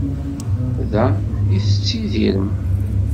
Da i tettidirem?